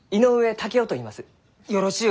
よろしゅう